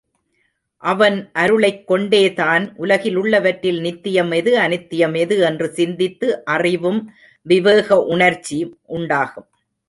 அவன் அருளைக் கொண்டேதான் உலகிலுள்ளவற்றில் நித்தியம் எது, அநித்தியம் எது என்று சிந்தித்து அறிவும் விவேக உணர்ச்சி உண்டாகும்.